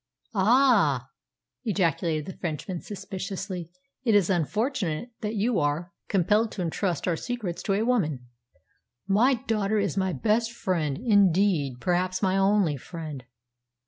"Ah!" ejaculated the Frenchman suspiciously. "It is unfortunate that you are compelled to entrust our secrets to a woman." "My daughter is my best friend; indeed, perhaps my only friend."